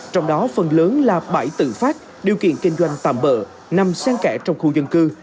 trong đó phần lớn là bãi tự phát điều kiện kinh doanh tạm bỡ nằm sen kẽ trong khu dân cư